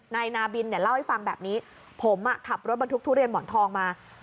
นายนาบินเนี่ยเล่าให้ฟังแบบนี้ผมขับรถบรรทุกทุเรียนหมอนทองมา